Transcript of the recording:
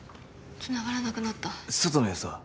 つながらなくなった外の様子は？